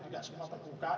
tidak semua terbuka